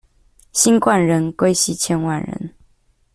新冠人，歸西千萬人